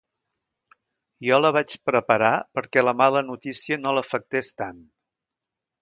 Jo la vaig preparar perquè la mala notícia no l'afectés tant.